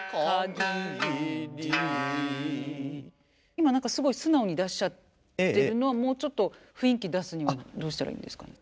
今何かすごい素直に出しちゃってるのはもうちょっと雰囲気出すにはどうしたらいいんですかね？